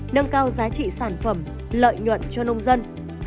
nâng cao giá trị sản phẩm lợi nhuận cho nông dân